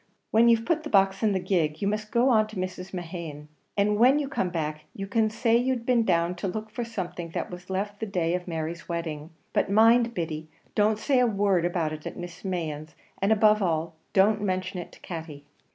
When you've put the box in the gig you must go on to Mrs. Mehan's, and when you come back you can say you'd been down to look for something that was left the day of Mary's wedding; but mind, Biddy, don't say a word about it at Mrs. Mehan's, and above all, don't mention it to Katty."